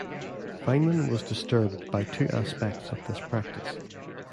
Feynman was disturbed by two aspects of this practice.